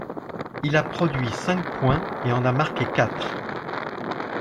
Il a produit cinq points et en a marqué quatre.